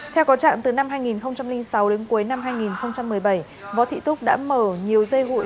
theo có trạm từ năm hai nghìn sáu đến cuối năm hai nghìn một mươi bảy võ thị túc đã mở nhiều dây hụi